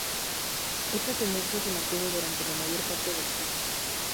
Esta tendencia se mantuvo durante la mayor parte del siglo.